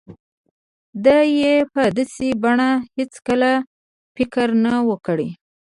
ده يې په داسې بڼه هېڅکله فکر نه و کړی.